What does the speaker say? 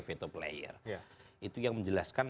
veto player itu yang menjelaskan